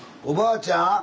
おばあちゃん？